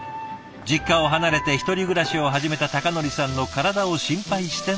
実家を離れて１人暮らしを始めた崇典さんの体を心配してのこと。